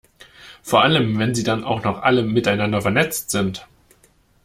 Vor allem, wenn sie dann auch noch alle miteinander vernetzt sind.